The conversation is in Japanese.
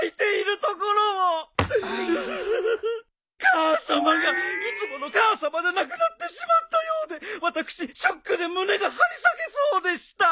母さまがいつもの母さまでなくなってしまったようで私ショックで胸が張り裂けそうでした。